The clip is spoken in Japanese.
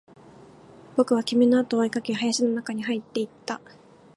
僕は君のあとを追いかけ、林の中に入っていった